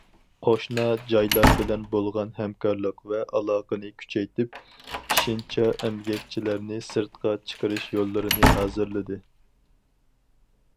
قوشنا جايلار بىلەن بولغان ھەمكارلىق ۋە ئالاقىنى كۈچەيتىپ، ئېشىنچا ئەمگەكچىلەرنى سىرتقا چىقىرىش يوللىرىنى ھازىرلىدى.